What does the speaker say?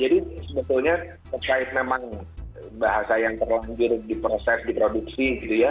jadi sebetulnya terkait memang bahasa yang terlanjur di proses diproduksi gitu ya